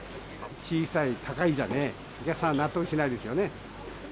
小さい、高いじゃね、お客さん、納得しないですよね。